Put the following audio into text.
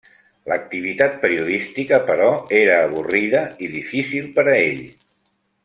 L'activitat periodística, però, era avorrida i difícil per a ell.